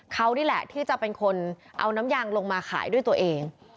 เขานี่แหละที่จะเป็นคนเอาน้ำยางลงมาขายด้วยตัวเอง